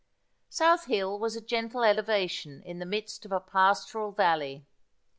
South Hill was a gentle elevation in the midst of a pastoral valley.